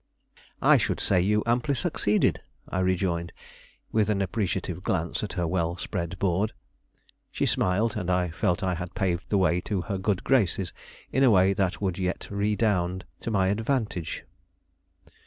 "I should say you amply succeeded," I rejoined, with an appreciative glance at her well spread board. She smiled, and I felt I had paved the way to her good graces in a way that would yet redound to my advantage.